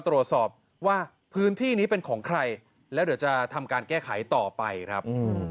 เทศกิจมาเลยครับ